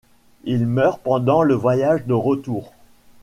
Il meurt pendant le voyage de retour.